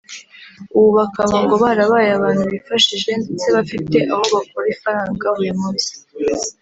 ubu bakaba ngo barabaye abantu bifashije ndetse bafite aho bakura ifaranga buri munsi